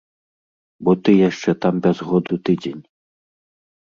Бо ты яшчэ там без году тыдзень.